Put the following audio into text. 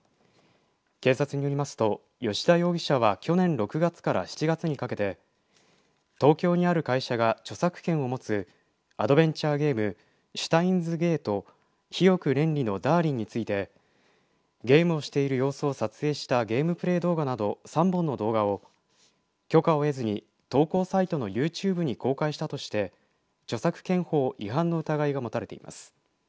警察によりますと吉田容疑者は去年６月から７月にかけて東京にある会社が著作権を持つアドベンチャーゲームＳＴＥＩＮＳ；ＧＡＴＥ比翼恋理のだーりんについてゲームをしている様子を撮影したゲームプレー動画を含むなど３本の動画を許可を得ずに投稿サイトのユーチューブに公開したとして著作権法違反の疑いが持たれています。